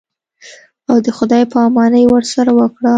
او د خداى پاماني ورسره وکړم.